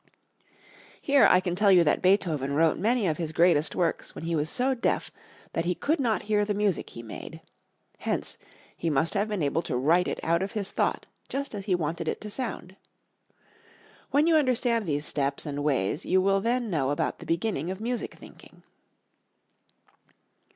Here, I can tell you that Beethoven wrote many of his greatest works when he was so deaf that he could not hear the music he made. Hence, he must have been able to write it out of his thought just as he wanted it to sound. When you understand these steps and ways you will then know about the beginning of music thinking.